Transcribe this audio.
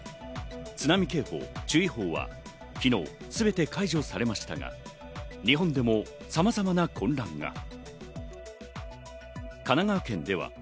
津波警報・注意報は昨日全て解除されましたが日本でもさまざまな混乱が。